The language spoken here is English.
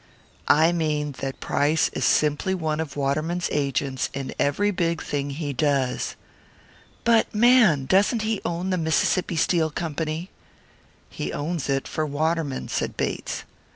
"I mean that Price is simply one of Waterman's agents in every big thing he does." "But, man! Doesn't he own the Mississippi Steel Company?" "He owns it for Waterman," said Bates.